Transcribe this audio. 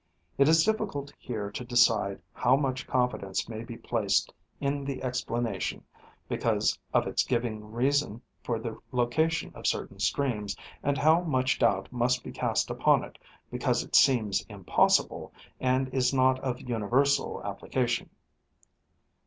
It is difficult here to decide how much confidence may be placed in the explanation, because of its giving reason for the location of certain streams, and how much doubt must be cast upon it, because it seems impossible and is not of universal application.